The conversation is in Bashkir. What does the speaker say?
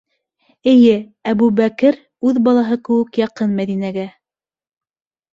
Эйе, Әбүбәкер үҙ балаһы кеүек яҡын Мәҙинәгә.